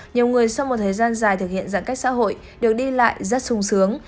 nhiều người sau một thời gian dài thực hiện giãn cách xã hội được đi lại rất sung sướng